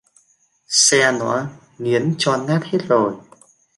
xe nó nghiếm cho nát hết rồi